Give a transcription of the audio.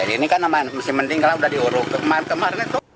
ini kan namanya musim mending kalau udah diuruh kemar kemar